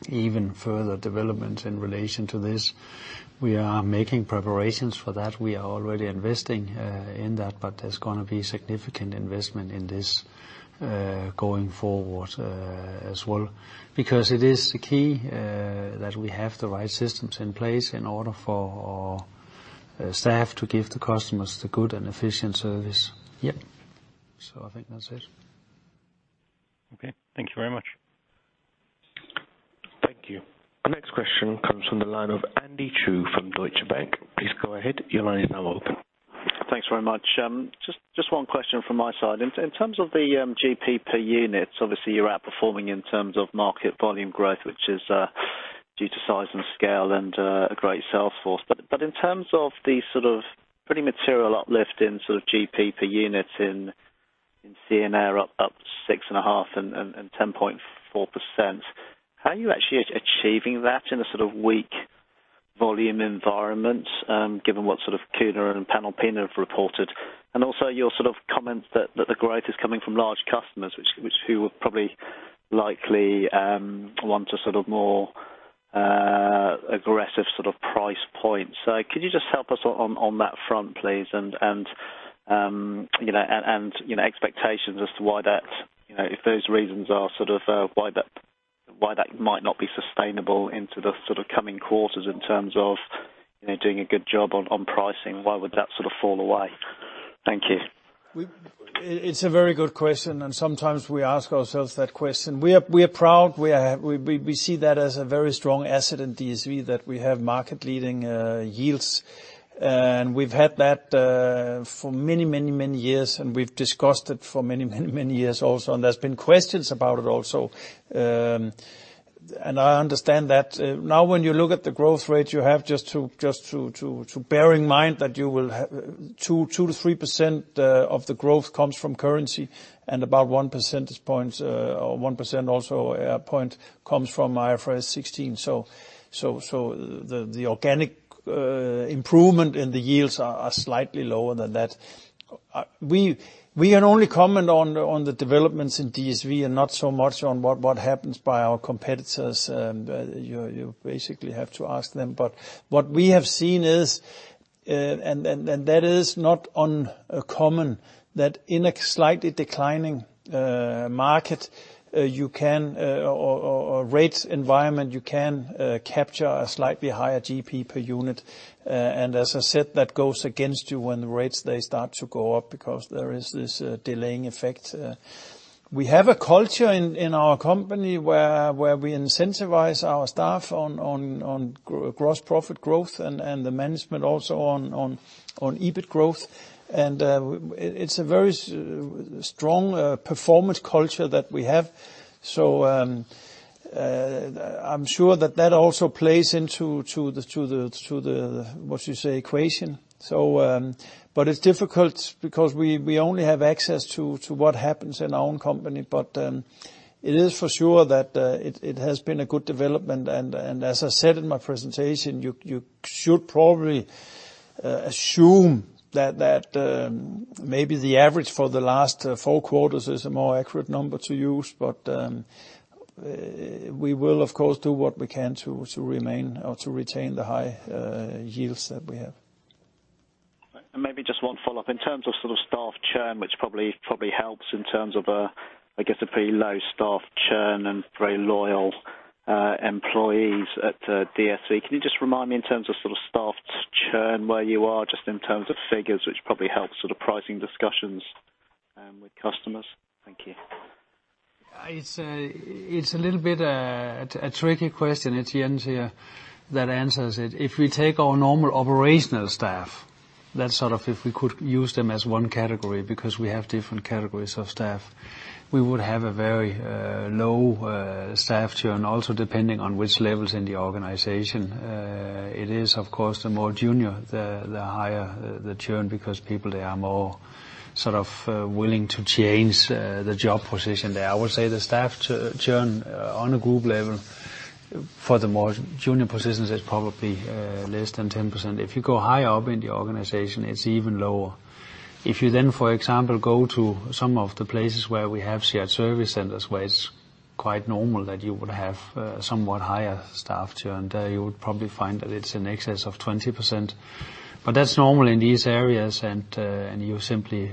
even further development in relation to this. We are making preparations for that. We are already investing in that. There is going to be significant investment in this going forward as well. It is key that we have the right systems in place in order for our staff to give the customers the good and efficient service. Yep. That is it. Okay. Thank you very much. Thank you. Our next question comes from the line of Andy Chu from Deutsche Bank. Please go ahead. Your line is now open. Thanks very much. Just one question from my side. In terms of the GP per unit, obviously you're outperforming in terms of market volume growth, which is due to size and scale and a great sales force. In terms of the pretty material uplift in GP per unit in Air & Sea up 6.5% and 10.4%, how are you actually achieving that in a sort of weak volume environment, given what sort of Kuehne and Panalpina have reported? Also your comments that the growth is coming from large customers, who will probably likely want a sort of more aggressive sort of price point. Could you just help us on that front, please, and expectations as to if those reasons are why that might not be sustainable into the coming quarters in terms of doing a good job on pricing, why would that sort of fall away? Thank you. It's a very good question, and sometimes we ask ourselves that question. We are proud. We see that as a very strong asset in DSV, that we have market-leading yields. We've had that for many years, and we've discussed it for many years also, and there's been questions about it also. I understand that. When you look at the growth rates you have, just to bear in mind that 2%-3% of the growth comes from currency, and about 1% also a point comes from IFRS 16. The organic improvement in the yields are slightly lower than that. We can only comment on the developments in DSV and not so much on what happens by our competitors. You basically have to ask them. What we have seen is, and that is not uncommon, that in a slightly declining market or rates environment, you can capture a slightly higher GP per unit. As I said, that goes against you when the rates start to go up because there is this delaying effect. We have a culture in our company where we incentivize our staff on gross profit growth and the management also on EBIT growth. It's a very strong performance culture that we have. I'm sure that that also plays into the, what you say, equation. It's difficult because we only have access to what happens in our own company. It is for sure that it has been a good development, and as I said in my presentation, you should probably assume that maybe the average for the last four quarters is a more accurate number to use. We will, of course, do what we can to remain or to retain the high yields that we have. Maybe just one follow-up. In terms of staff churn, which probably helps in terms of, I guess a pretty low staff churn and very loyal employees at DSV. Can you just remind me in terms of staff churn where you are, just in terms of figures, which probably helps pricing discussions with customers? Thank you. It's a little bit a tricky question. It's Jens here that answers it. If we take our normal operational staff, that's if we could use them as one category because we have different categories of staff, we would have a very low staff churn, also depending on which levels in the organization. It is, of course, the more junior, the higher the churn because people are more willing to change the job position there. I would say the staff churn on a group level for the more junior positions is probably less than 10%. If you go higher up in the organization, it's even lower. If you, for example, go to some of the places where we have shared service centers, where it's quite normal that you would have somewhat higher staff churn, there you would probably find that it's in excess of 20%. That's normal in these areas, and you simply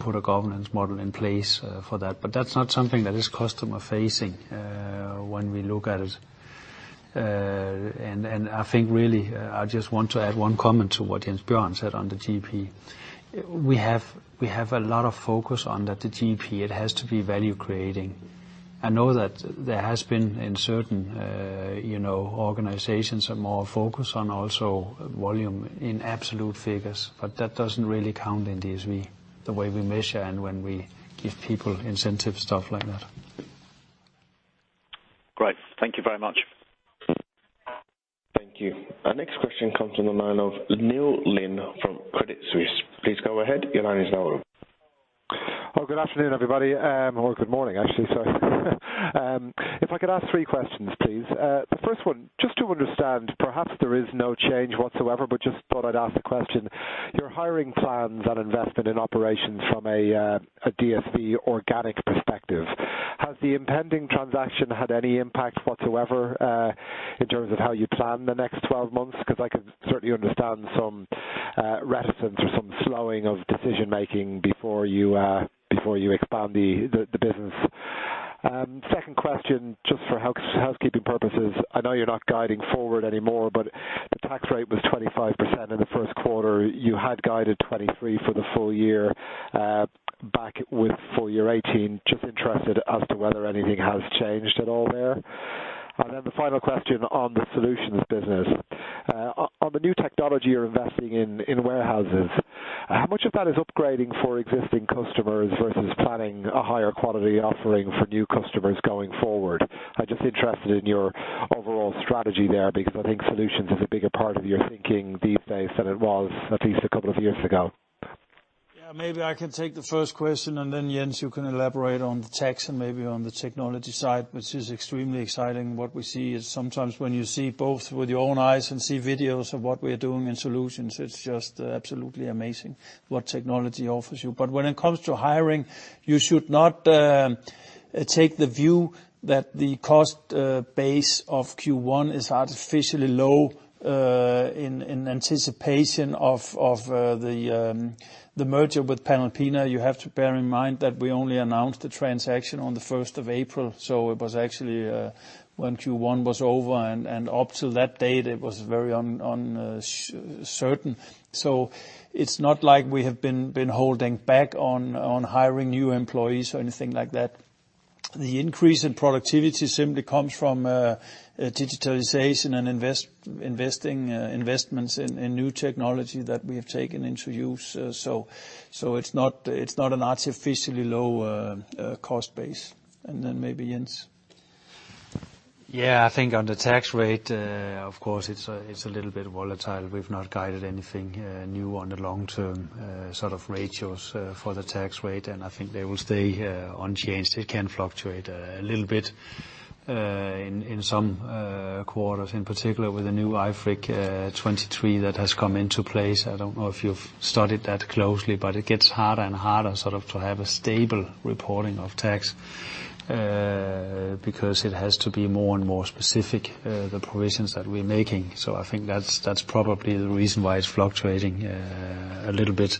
put a governance model in place for that. That's not something that is customer-facing when we look at it. I think really, I just want to add one comment to what Jens Bjørn said on the GP. We have a lot of focus on that the GP, it has to be value-creating. I know that there has been, in certain organizations, more focus on also volume in absolute figures, but that doesn't really count in DSV, the way we measure and when we give people incentives, stuff like that. Great. Thank you very much. Thank you. Our next question comes from the line of Neil Glynn from Credit Suisse. Please go ahead. Your line is now open. Good afternoon, everybody. Or good morning, actually, sorry. If I could ask three questions, please. The first one, just to understand, perhaps there is no change whatsoever, but just thought I'd ask the question. Your hiring plans and investment in operations from a DSV organic perspective, has the impending transaction had any impact whatsoever in terms of how you plan the next 12 months? Because I can certainly understand some reticence or some slowing of decision-making before you expand the business. Second question, just for housekeeping purposes. I know you're not guiding forward anymore, but the tax rate was 25% in the first quarter. You had guided 23% for the full year, back with full year 2018. Just interested as to whether anything has changed at all there. The final question on the Solutions business. On the new technology you're investing in warehouses, how much of that is upgrading for existing customers versus planning a higher quality offering for new customers going forward? I'm just interested in your overall strategy there, because I think Solutions is a bigger part of your thinking these days than it was at least a couple of years ago. Yeah, maybe I can take the first question, Jens, you can elaborate on the tax and maybe on the technology side, which is extremely exciting. What we see is sometimes when you see both with your own eyes and see videos of what we are doing in Solutions, it's just absolutely amazing what technology offers you. When it comes to hiring, you should not take the view that the cost base of Q1 is artificially low in anticipation of the merger with Panalpina. You have to bear in mind that we only announced the transaction on the 1st of April, it was actually when Q1 was over, and up till that date, it was very uncertain. It's not like we have been holding back on hiring new employees or anything like that. The increase in productivity simply comes from digitalization and investments in new technology that we have taken into use. It's not an artificially low cost base. Maybe Jens. Yeah, I think on the tax rate, of course, it's a little bit volatile. We've not guided anything new on the long term sort of ratios for the tax rate, and I think they will stay unchanged. It can fluctuate a little bit in some quarters, in particular with the new IFRIC 23 that has come into place. I don't know if you've studied that closely, but it gets harder and harder sort of to have a stable reporting of tax, because it has to be more and more specific, the provisions that we're making. I think that's probably the reason why it's fluctuating a little bit.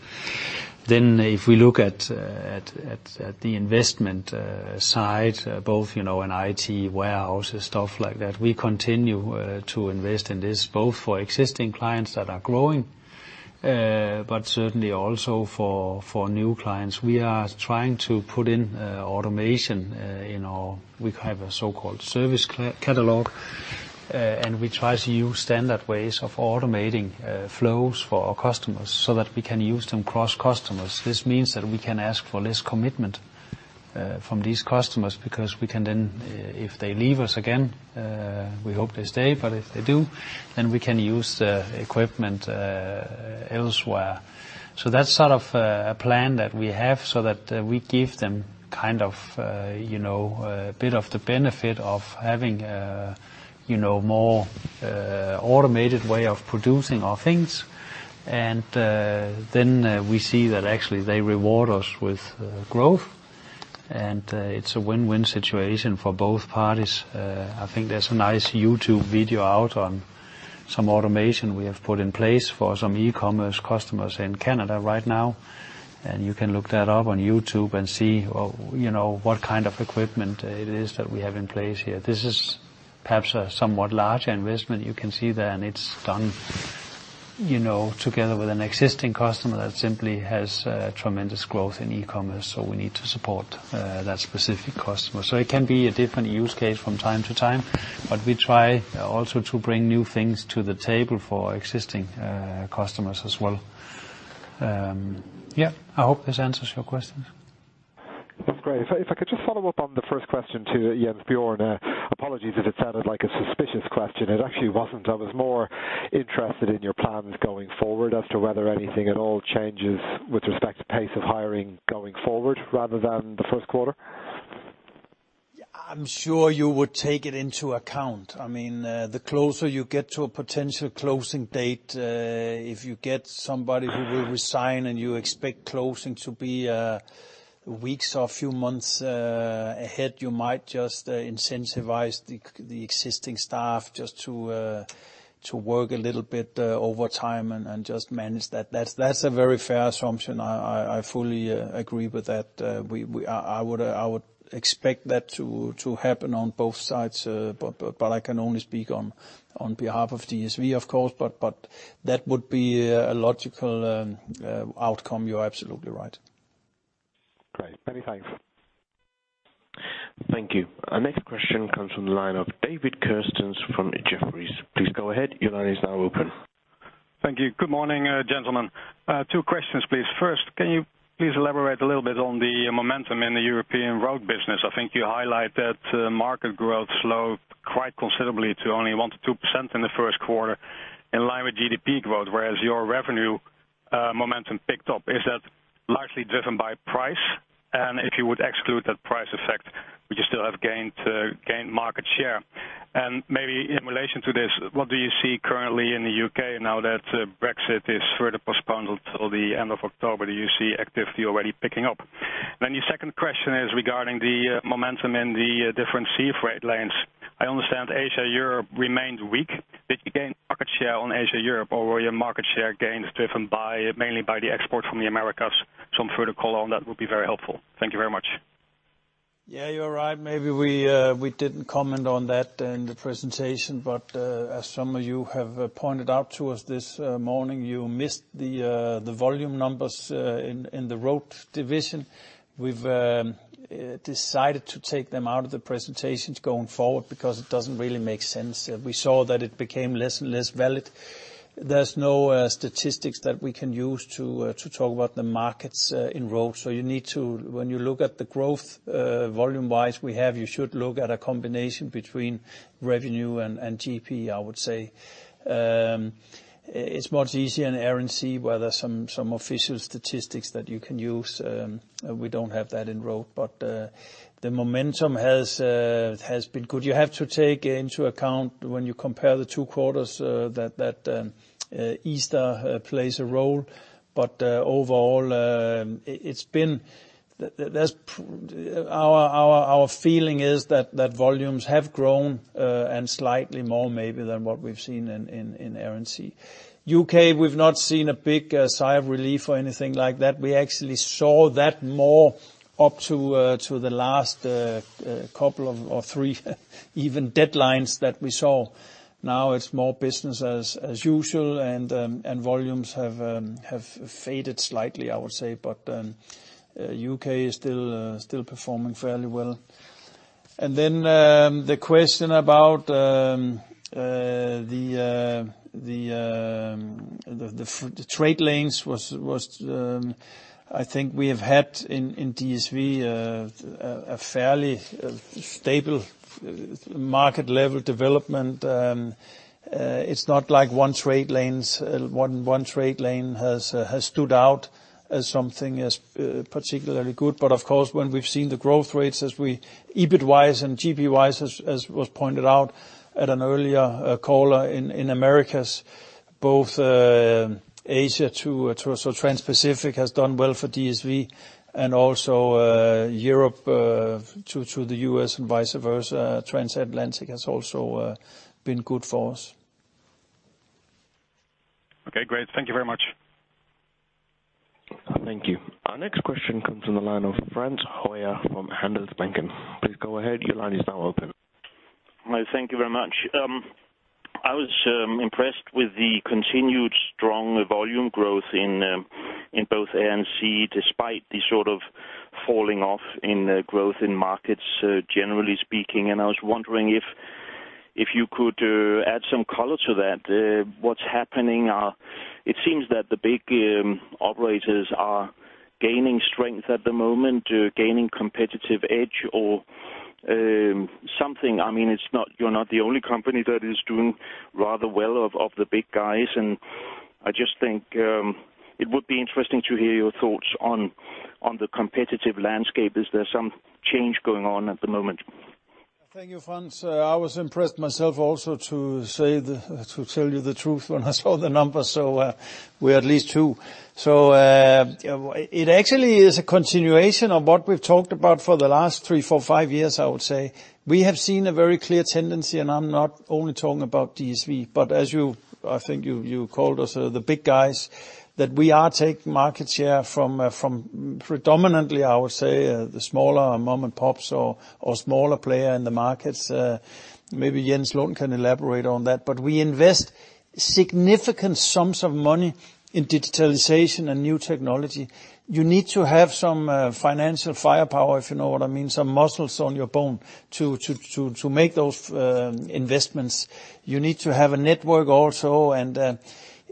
If we look at the investment side, both in IT, warehouse, stuff like that, we continue to invest in this, both for existing clients that are growing, but certainly also for new clients. We are trying to put in automation. We have a so-called service catalog, and we try to use standard ways of automating flows for our customers so that we can use them cross-customers. This means that we can ask for less commitment from these customers because we can then, if they leave us again, we hope they stay, but if they do, then we can use the equipment elsewhere. That's sort of a plan that we have so that we give them a bit of the benefit of having a more automated way of producing our things. We see that actually they reward us with growth, and it's a win-win situation for both parties. I think there's a nice YouTube video out on some automation we have put in place for some e-commerce customers in Canada right now, and you can look that up on YouTube and see what kind of equipment it is that we have in place here. This is perhaps a somewhat larger investment you can see there, and it's done together with an existing customer that simply has tremendous growth in e-commerce, we need to support that specific customer. It can be a different use case from time to time, but we try also to bring new things to the table for existing customers as well. Yeah, I hope this answers your questions. That's great. If I could just follow up on the first question to Jens Bjørn. Apologies if it sounded like a suspicious question. It actually wasn't. I was more interested in your plans going forward as to whether anything at all changes with respect to pace of hiring going forward rather than the first quarter. I'm sure you would take it into account. The closer you get to a potential closing date, if you get somebody who will resign and you expect closing to be weeks or a few months ahead, you might just incentivize the existing staff just to work a little bit overtime and just manage that. That's a very fair assumption. I fully agree with that. I would expect that to happen on both sides, but I can only speak on behalf of DSV, of course. That would be a logical outcome. You're absolutely right. Great. Many thanks. Thank you. Our next question comes from the line of David Kerstens from Jefferies. Please go ahead. Your line is now open. Thank you. Good morning, gentlemen. Two questions, please. First, can you please elaborate a little bit on the momentum in the European Road business? I think you highlight that market growth slowed quite considerably to only 1%-2% in the first quarter in line with GDP growth, whereas your revenue momentum picked up. Is that largely driven by price? If you would exclude that price effect, would you still have gained market share? Maybe in relation to this, what do you see currently in the U.K. now that Brexit is further postponed until the end of October? Do you see activity already picking up? The second question is regarding the momentum in the different sea freight lanes. I understand Asia-Europe remained weak. Did you gain market share on Asia-Europe, or were your market share gains driven mainly by the export from the Americas? Some further color on that would be very helpful. Thank you very much. Yeah, you're right. Maybe we didn't comment on that in the presentation, but as some of you have pointed out to us this morning, you missed the volume numbers in the Road division. We've decided to take them out of the presentations going forward because it doesn't really make sense. We saw that it became less and less valid. There's no statistics that we can use to talk about the markets in Road. So when you look at the growth volume-wise we have, you should look at a combination between revenue and GP, I would say. It's much easier in Air & Sea, where there's some official statistics that you can use. We don't have that in Road, but the momentum has been good. You have to take into account when you compare the two quarters that Easter plays a role. Overall, our feeling is that volumes have grown, slightly more maybe than what we've seen in Air & Sea. U.K., we've not seen a big sigh of relief or anything like that. We actually saw that more up to the last couple of, or three even, deadlines that we saw. It's more business as usual and volumes have faded slightly, I would say. U.K. is still performing fairly well. The question about the trade lanes, I think we have had in DSV a fairly stable market-level development. It's not like one trade lane has stood out as something as particularly good. But of course, when we've seen the growth rates as we EBIT-wise and GP-wise, as was pointed out at an earlier caller in Americas, both Asia to Transpacific has done well for DSV and also Europe to the U.S. and vice versa. Transatlantic has also been good for us. Okay, great. Thank you very much. Thank you. Our next question comes from the line of Frans Hoyer from Handelsbanken. Please go ahead. Your line is now open. Thank you very much. I was impressed with the continued strong volume growth in both Air & Sea, despite the sort of falling off in growth in markets, generally speaking. I was wondering if you could add some color to that. What's happening? It seems that the big operators are gaining strength at the moment, gaining competitive edge or something. You are not the only company that is doing rather well of the big guys. I just think it would be interesting to hear your thoughts on the competitive landscape. Is there some change going on at the moment? Thank you, Frans. I was impressed myself also to tell you the truth when I saw the numbers. We are at least two. It actually is a continuation of what we have talked about for the last three, four, five years, I would say. We have seen a very clear tendency, and I am not only talking about DSV, but as you, I think you called us the big guys, that we are taking market share from predominantly, I would say, the smaller mom and pops or smaller player in the markets. Maybe Jens Lund can elaborate on that. We invest significant sums of money in digitalization and new technology. You need to have some financial firepower, if you know what I mean, some muscles on your bone to make those investments. You need to have a network also. It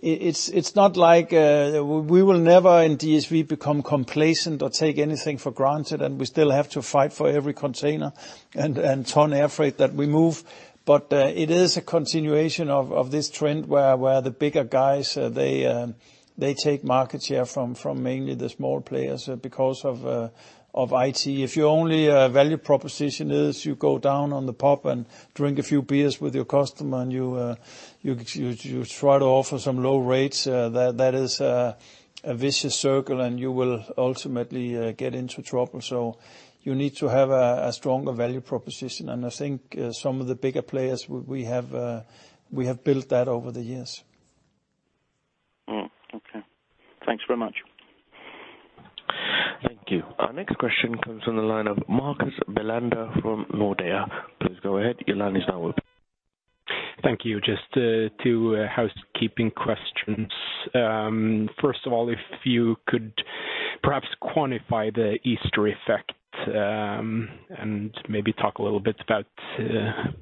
is not like we will never in DSV become complacent or take anything for granted. We still have to fight for every container and ton air freight that we move. It is a continuation of this trend where the bigger guys, they take market share from mainly the small players because of IT. If your only value proposition is you go down on the pub and drink a few beers with your customer and you try to offer some low rates, that is a vicious circle and you will ultimately get into trouble. You need to have a stronger value proposition. I think some of the bigger players, we have built that over the years. Okay. Thanks very much. Thank you. Our next question comes from the line of Marcus Bellander from Nordea. Please go ahead. Your line is now open. Thank you. Just two housekeeping questions. First of all, if you could perhaps quantify the Easter effect and maybe talk a little bit about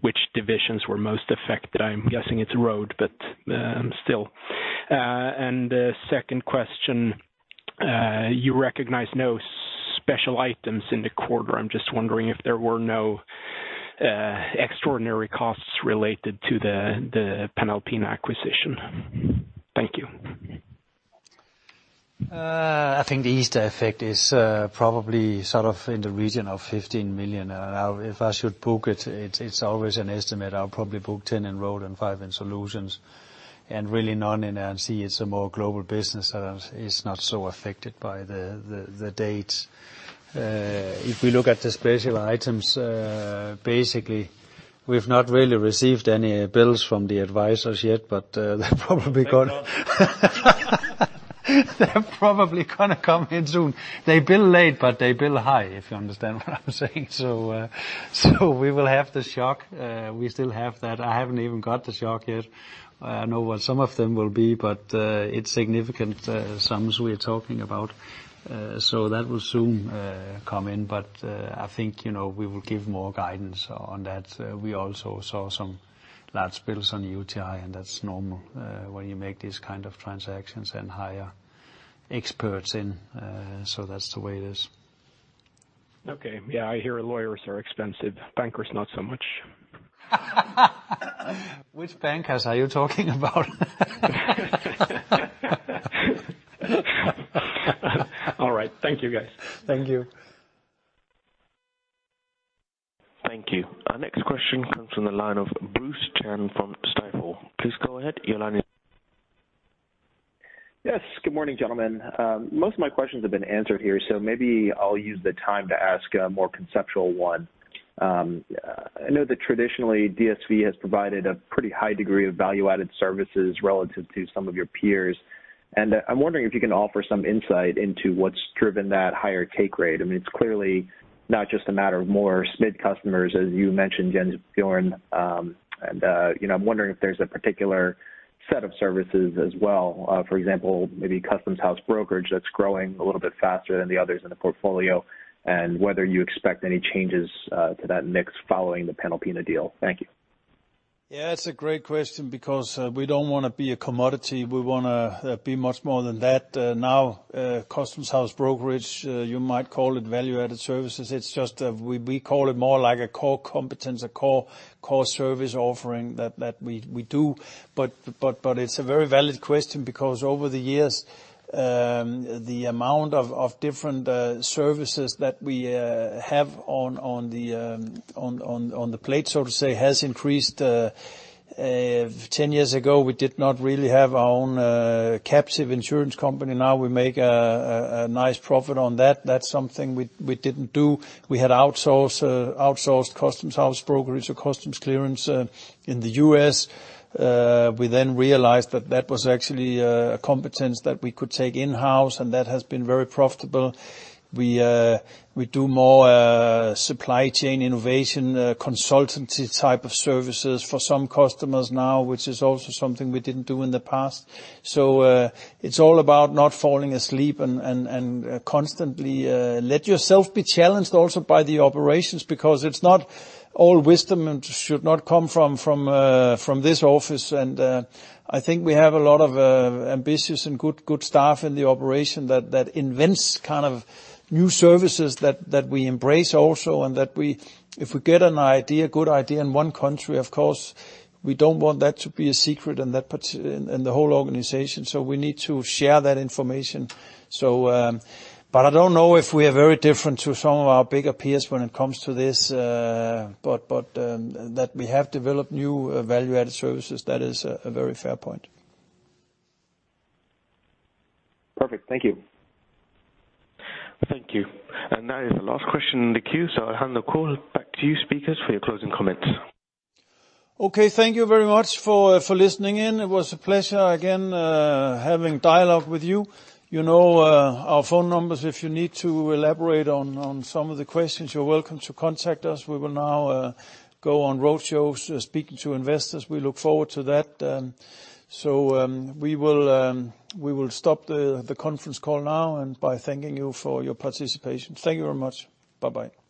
which divisions were most affected. I'm guessing it's Road, but still. Second question, you recognize no special items in the quarter. I'm just wondering if there were no extraordinary costs related to the Panalpina acquisition. Thank you. I think the Easter effect is probably in the region of 15 million. If I should book it's always an estimate. I'll probably book 10 million in Road and 5 million in Solutions. Really none in Air & Sea. It's a more global business that is not so affected by the dates. If we look at the special items, we've not really received any bills from the advisors yet, but they're probably going to come in soon. They bill late, but they bill high, if you understand what I'm saying. We will have the shock. We still have that. I haven't even got the shock yet. I know what some of them will be, but it's significant sums we're talking about. That will soon come in. I think we will give more guidance on that. We also saw some large bills on UTi, and that's normal when you make these kind of transactions and hire experts in. That's the way it is. Okay. Yeah, I hear lawyers are expensive. Bankers, not so much. Which bankers are you talking about? All right. Thank you, guys. Thank you. Thank you. Our next question comes from the line of Bruce Chan from Stifel. Please go ahead. Yes, good morning, gentlemen. Most of my questions have been answered here, so maybe I'll use the time to ask a more conceptual one. I know that traditionally, DSV has provided a pretty high degree of value-added services relative to some of your peers. I'm wondering if you can offer some insight into what's driven that higher take rate. It's clearly not just a matter of more SMID customers, as you mentioned, Bjørn. I'm wondering if there's a particular set of services as well. For example, maybe customs house brokerage that's growing a little bit faster than the others in the portfolio, and whether you expect any changes to that mix following the Panalpina deal. Thank you. Yeah, it's a great question because we don't want to be a commodity. We want to be much more than that. Now, customs house brokerage, you might call it value-added services. We call it more like a core competence, a core service offering that we do. It's a very valid question because over the years, the amount of different services that we have on the plate, so to say, has increased. 10 years ago, we did not really have our own captive insurance company. Now we make a nice profit on that. That's something we didn't do. We had outsourced customs house brokerage or customs clearance in the U.S. We then realized that that was actually a competence that we could take in-house, and that has been very profitable. We do more supply chain innovation, consultancy type of services for some customers now, which is also something we didn't do in the past. It's all about not falling asleep and constantly let yourself be challenged also by the operations, because it's not all wisdom and should not come from this office. I think we have a lot of ambitious and good staff in the operation that invents new services that we embrace also, and that if we get an idea, a good idea in one country, of course, we don't want that to be a secret in the whole organization, so we need to share that information. I don't know if we are very different to some of our bigger peers when it comes to this. That we have developed new value-added services, that is a very fair point. Perfect. Thank you. Thank you. That is the last question in the queue, so I'll hand the call back to you speakers for your closing comments. Okay, thank you very much for listening in. It was a pleasure again, having dialogue with you. You know our phone numbers. If you need to elaborate on some of the questions, you're welcome to contact us. We will now go on roadshows, speaking to investors. We look forward to that. We will stop the conference call now and by thanking you for your participation. Thank you very much. Bye-bye.